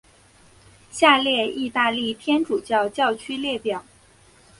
下列意大利天主教教区列表。